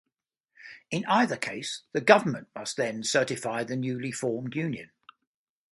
In either case, the government must then certify the newly formed union.